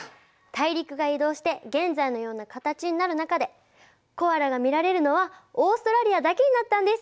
大陸が移動して現在のような形になる中でコアラが見られるのはオーストラリアだけになったんです。